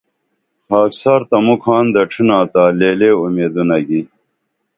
خاکسار تہ مُکھان دڇھنا تا لے لے اُومیدونہ گی